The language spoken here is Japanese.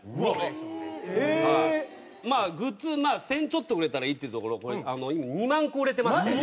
まあグッズ１０００ちょっと売れたらいいっていうところ２万個売れてまして。